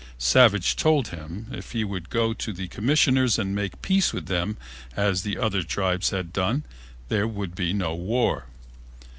Savage told him if he would go to the Commissioners and make peace with them as the other tribes had done there would be no more war.